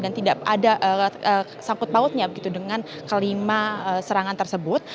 dan tidak ada sangkut pautnya begitu dengan kelima serangan tersebut